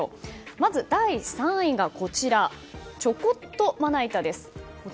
まず、第３位がちょこっとまな板です。